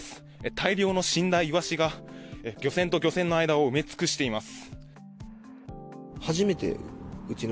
大量の死んだイワシが漁船と漁船の間を埋め尽くしています。